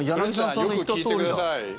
よく聞いてください。